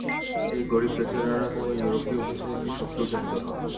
এই গরীব বেচারারা কোন ইউরোপীয় ভাষার একটি শব্দও জানিত না।